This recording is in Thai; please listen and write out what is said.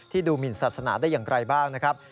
ดูหมินศาสนาได้อย่างไรบ้างนะครับ